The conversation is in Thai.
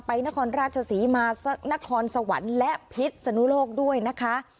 นครราชศรีมานครสวรรค์และพิษสนุโลกด้วยนะคะ